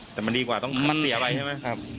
แต่มันดีกว่าต้องขัดเสียไปใช่ไหม